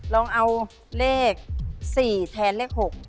ลองเอาเลข๔แทนเลข๖